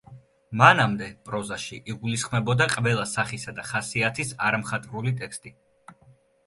მანამდე პროზაში იგულისხმებოდა ყველა სახისა და ხასიათის არამხატვრული ტექსტი.